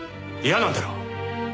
嫌なんだろ？